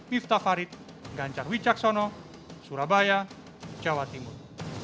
miftah farid ganjar wicaksono surabaya jawa timur